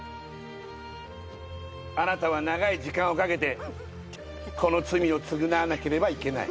あなたは長い時間をかけてこの罪を償わなければいけない